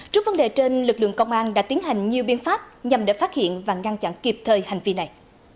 trước vấn đề trên lực lượng công an đã tiến hành nhiều biện pháp nhằm để phát hiện và ngăn chặn kịp thời hành vi này